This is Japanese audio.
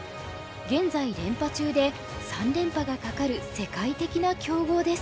現在連覇中で３連覇が懸かる世界的な強豪です。